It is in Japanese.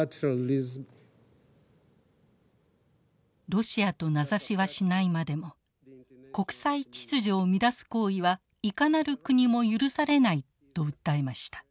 ロシアと名指しはしないまでも国際秩序を乱す行為はいかなる国も許されないと訴えました。